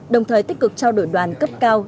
đồng thời tích cực trao đổi đoàn cấp cao